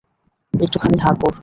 একটুখানি হা কর।